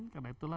karena itu lah